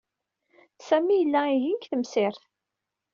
Sami yella yeggan deg tmesrit.